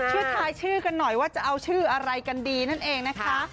ทายชื่อกันหน่อยว่าจะเอาชื่ออะไรกันดีนั่นเองนะคะ